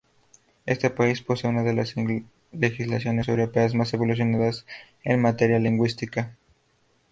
Este país posee una de las legislaciones europeas más evolucionadas en materia lingüística.